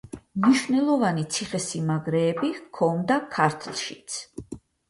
მნიშვნელოვანი ციხესიმაგრეები ჰქონდა ქართლშიც.